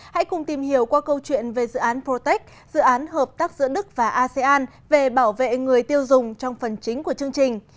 hãy cùng tìm hiểu qua câu chuyện về dự án protech dự án hợp tác giữa đức và asean về bảo vệ người tiêu dùng trong phần chính của chương trình